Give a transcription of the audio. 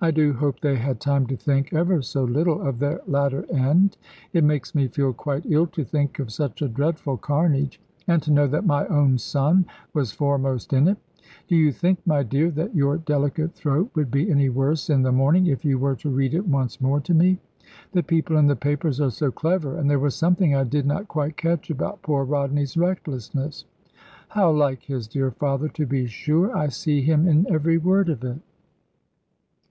I do hope they had time to think, ever so little, of their latter end. It makes me feel quite ill to think of such a dreadful carnage, and to know that my own son was foremost in it. Do you think, my dear, that your delicate throat would be any worse in the morning, if you were to read it once more to me? The people in the papers are so clever; and there was something I did not quite catch about poor Rodney's recklessness. How like his dear father, to be sure! I see him in every word of it."